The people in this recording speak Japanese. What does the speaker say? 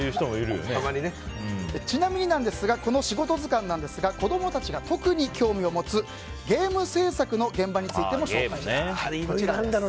ちなみにこの「仕事図鑑」ですが子供たちが特に興味を持つゲーム制作の現場についても紹介しています。